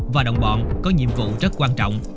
và đồng bọn có nhiệm vụ rất quan trọng